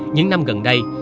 những năm gần đây